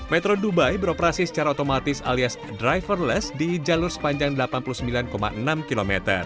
metro dubai beroperasi secara otomatis alias driverless di jalur sepanjang delapan puluh sembilan enam km